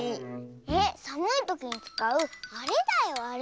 えっさむいときにつかうあれだよあれ。